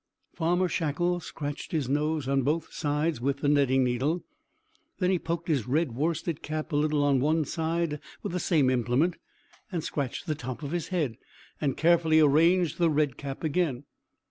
Farmer Shackle scratched his nose on both sides with the netting needle; then he poked his red worsted cap a little on one side with the same implement, and scratched the top of his head, and carefully arranged the red cap again.